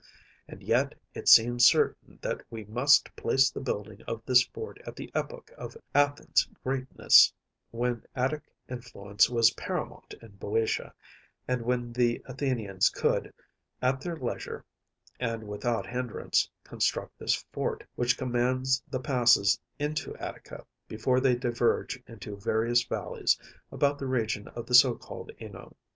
And yet it seems certain that we must place the building of this fort at the epoch of Athens’s greatness, when Attic influence was paramount in BŇďotia, and when the Athenians could, at their leisure, and without hindrance, construct this fort, which commands the passes into Attica, before they diverge into various valleys, about the region of the so called Ňínoe.